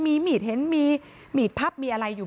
แล้วเดี๋ยวเล่าความคลิปกันก่อน